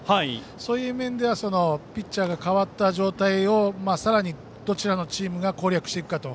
そういう面ではピッチャーが代わった状態をどちらのチームが攻略していくか。